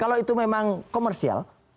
kalau itu memang komersial